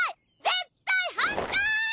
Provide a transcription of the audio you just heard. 絶対反対！